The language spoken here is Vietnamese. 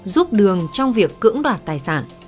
giúp đường trong việc cưỡng đoạt tài sản